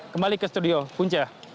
kembali ke studio punca